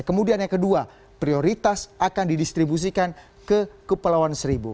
kemudian yang kedua prioritas akan didistribusikan ke kepulauan seribu